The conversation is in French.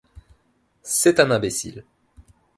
C’est un imbécile.